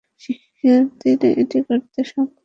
শিক্ষার্থীরা এটি করতে সক্ষম।